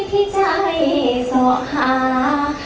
ที่ใจสอกหา